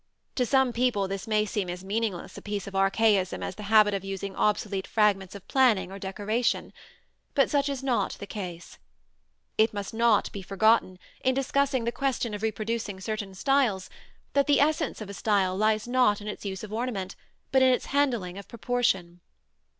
To some people this may seem as meaningless a piece of archaism as the habit of using obsolete fragments of planning or decoration; but such is not the case. It must not be forgotten, in discussing the question of reproducing certain styles, that the essence of a style lies not in its use of ornament, but in its handling of proportion.